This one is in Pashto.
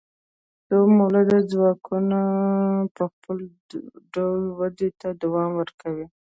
خو مؤلده ځواکونه په خپل ډول ودې ته دوام ورکوي.